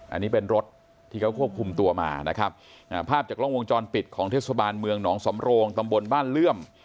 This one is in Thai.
อันนี้เป็นรถที่เขาควบคุมตัวมานะครับอ่าภาพจากกล้องวงจรปิดของเทศบาลเมืองหนองสำโรงตำบลบ้านเลื่อม